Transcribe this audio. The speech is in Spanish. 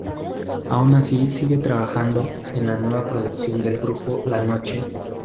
Aun así sigue trabajando en la nueva producción del grupo La Noche.